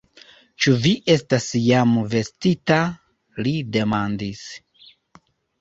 Ĉu vi estas jam vestita? li demandis.